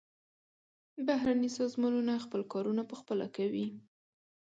بهرني سازمانونه خپل کارونه پخپله کوي.